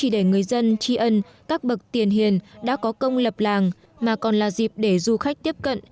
để người dân tri ân các bậc tiền hiền đã có công lập làng mà còn là dịp để du khách tiếp cận